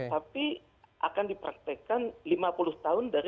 tapi akan dipraktekan lima puluh tahun dari seribu sembilan ratus sembilan puluh tujuh